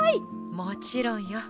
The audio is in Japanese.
もちろんよ。